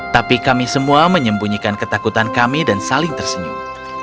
tapi kami semua menyembunyikan ketakutan kami dan saling tersenyum